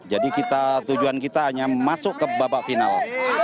jadi tujuan kita hanya masuk ke babak final